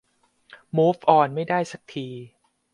มูฟออนไม่ได้สักที